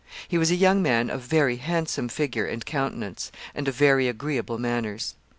He was a young man of very handsome figure and countenance, and of very agreeable manners.